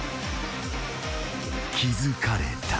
［気付かれた］ＯＫ。